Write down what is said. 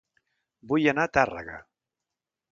Vull anar a Tàrrega